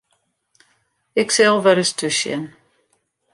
Ik sil wer ris thús sjen.